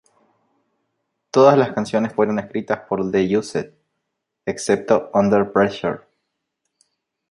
Todas las canciones fueron escritas por The Used, excepto Under Pressure.